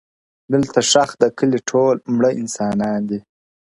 دلته ښخ د کلي ټول مړه انسانان دي,